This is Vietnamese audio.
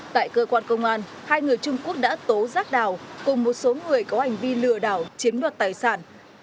tại cơ quan công an hai người trung quốc đã tố rác đào cùng một số người có hành vi lừa đảo chiếm đoạt tài sản